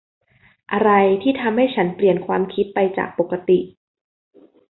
อะไรที่ทำให้ฉันเปลี่ยนความคิดไปจากปกติ ?